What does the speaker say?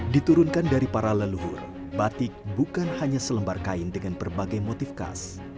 diturunkan dari para leluhur batik bukan hanya selembar kain dengan berbagai motif khas